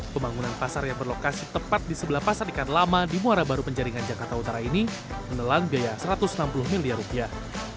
pembangunan pasar yang berlokasi tepat di sebelah pasar ikan lama di muara baru penjaringan jakarta utara ini menelan biaya satu ratus enam puluh miliar rupiah